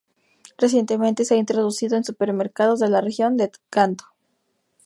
Recientemente se ha introducido en supermercados de la región de Kanto.